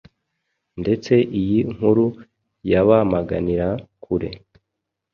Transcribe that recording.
ndetse iyi nkuru bayamaganira kure,